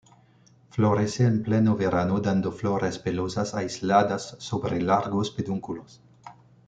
Florece en pleno verano, dando flores pelosas aisladas sobre largos pedúnculos.